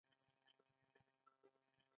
کله کله به په خپلمنځي شخړو کې هم سره کېوتل